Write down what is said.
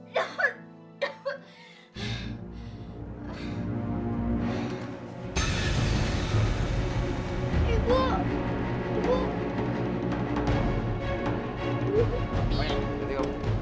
bapak bantuin gue